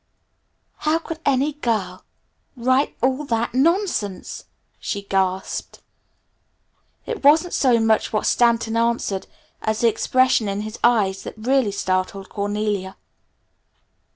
"How could any girl write all that nonsense?" she gasped. It wasn't so much what Stanton answered, as the expression in his eyes that really startled Cornelia.